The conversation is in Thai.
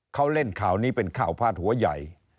เขาเล่นข่าวนี้เป็นข่าวพาดหัวใหญ่